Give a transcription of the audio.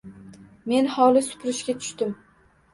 Men hovli supurishga tushdim.